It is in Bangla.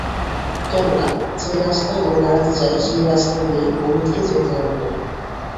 কেননা, যে রাস্তায় ও বেড়াতে যায় সেই রাস্তা দিয়েই অমিতকে যেতে হবে।